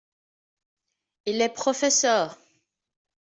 Il est professeur ?